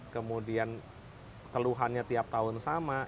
kemudian keluhannya tiap tahun sama